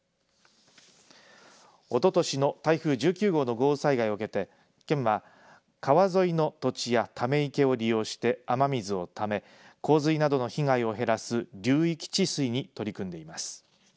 おととしの台風１９号の豪雨災害を受けて県は、川沿いの土地やため池を利用して雨水をため洪水などの被害を減らす流域治水に取り組んでいます。